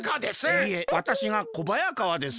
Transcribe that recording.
いいえわたしが小早川です。